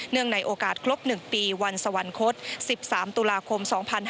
เนื่องในโอกาสกลบหนึ่งปีวันสวรรคศ๑๓ตุลาคม๒๕๖๐